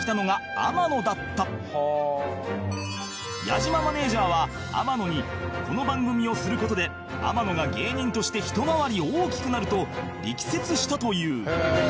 矢島マネジャーは天野にこの番組をする事で天野が芸人としてひと回り大きくなると力説したという